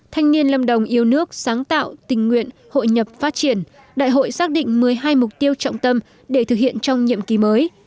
phát triển đại hội xác định một mươi hai mục tiêu trọng tâm để thực hiện trong nhiệm kỳ mới